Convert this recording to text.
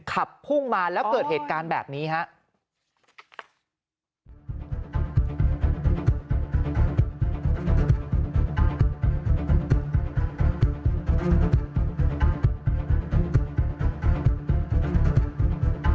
ขับพุ่งมาแล้วเกิดเหตุการณ์แบบนี้ครับ